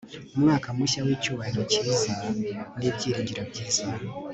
umwaka mushya w'icyubahiro cyiza ni ibyiringiro byiza